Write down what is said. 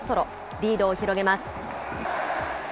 リードを広げます。